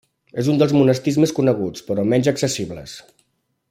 És un dels monestirs més coneguts, però menys accessibles.